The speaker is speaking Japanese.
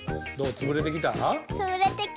つぶれてきた。